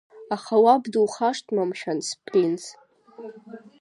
Аха уаб, духашҭма, мшәан, спринц?